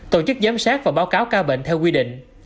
tổ chức giám sát và báo cáo ca bệnh theo quy định